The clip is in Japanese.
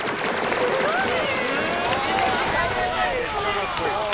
すごい！